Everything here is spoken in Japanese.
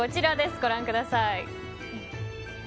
ご覧ください。